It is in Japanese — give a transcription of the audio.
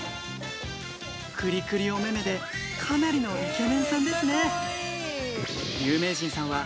クリクリお目目でかなりのイケメンさんですね